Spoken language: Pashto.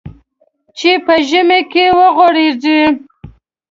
چې په ژمي کې وغوړېږي .